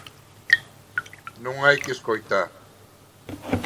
Non hai que escoitar.